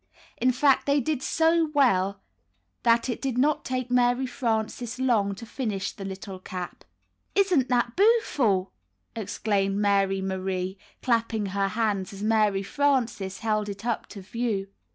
In fact, they did so well that it did not take Mary Frances long to finish the little cap. "Isn't that boo'ful!" exclaimed Mary Marie, clapping her hands as Mary Frances held it up to view.